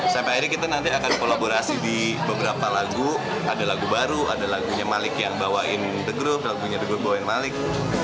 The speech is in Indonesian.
sampai akhirnya kita nanti akan kolaborasi di beberapa lagu ada lagu baru ada lagunya malik yang bawain the group lagunya the greben malik